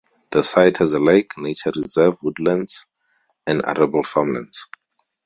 The site has a lake, nature reserve, woodlands and arable farmlands.